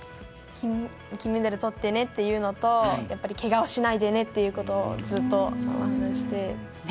金メダルとってねっていうのとけがをしないでねっていうことをずっと話して。